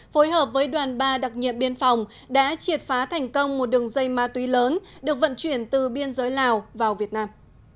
phối hợp với đoàn ba đặc nhiệm biên phòng đã triệt phá thành công một đường dây ma túy lớn được vận chuyển từ biên giới lào vào việt nam